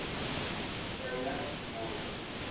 Taira Inoue